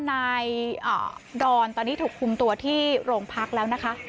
นายดอนตอนนี้ถูกคุมตัวที่โรงพักแล้วนะคะ